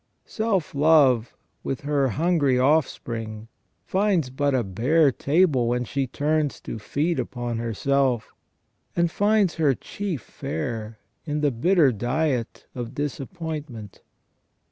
Self love with her hungry offspring finds but a bare table when she turns to feed upon herself, and finds her chief fare in the bitter diet of disappointment.